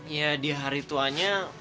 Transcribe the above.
ya di hari tuanya